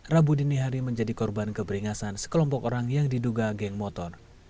rabu dini hari menjadi korban keberingasan sekelompok orang yang diduga geng motor